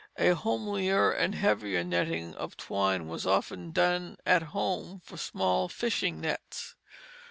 A homelier and heavier netting of twine was often done at home for small fishing nets.